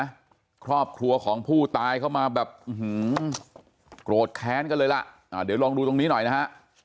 ครอบครัวของผู้ตายเข้ามาแบบโกรธแค้นกันเลยล่ะอ่าเดี๋ยวลองดูตรงนี้หน่อยนะฮะ